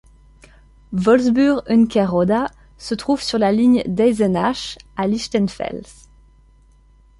Wolfsburg-Unkeroda se trouve sur la ligne d'Eisenach à Lichtenfels.